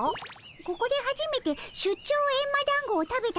ここではじめて出張エンマだんごを食べたでおじゃる。